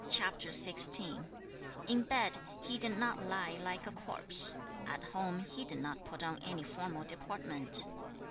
In bed, he did not lie like a corpse. At home, he did not put on any formal deportment.